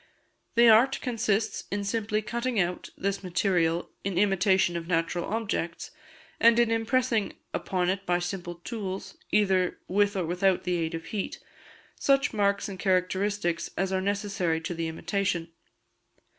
The art consists in simply cutting out this material in imitation of natural objects, and in impressing upon it by simple tools, either with or without the aid of heat, such marks and characteristics as are necessary to the imitation.